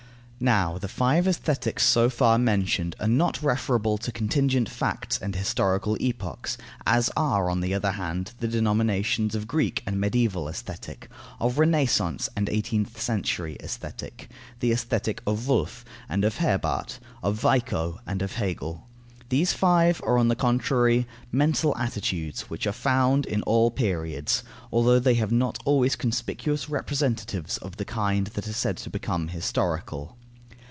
Now, the five Aesthetics so far mentioned are not referable to contingent facts and historical epochs, as are, on the other hand, the denominations of Greek and Mediaeval Aesthetic, of Renaissance and eighteenth century Aesthetic, the Aesthetic of Wolff and of Herbart, of Vico and of Hegel. These five are, on the contrary, mental attitudes, which are found in all periods, although they have not always conspicuous representatives of the kind that are said to become historical.